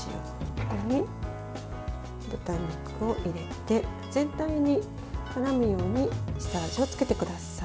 そこに豚肉を入れて全体にからむように下味をつけてください。